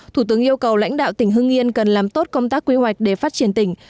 thủ tướng yêu cầu lãnh đạo tỉnh hưng yên cần làm tốt công tác quy hoạch để phát triển tỉnh